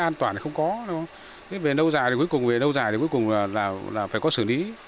tất toàn thì không có về nâu dài thì cuối cùng là phải có xử lý